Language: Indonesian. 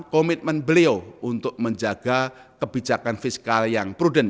komitmen beliau untuk menjaga kebijakan fiskal yang prudent